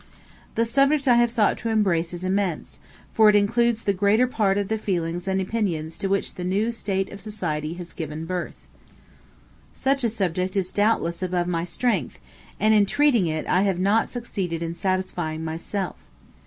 The subject I have sought to embrace is immense, for it includes the greater part of the feelings and opinions to which the new state of society has given birth. Such a subject is doubtless above my strength, and in treating it I have not succeeded in satisfying myself.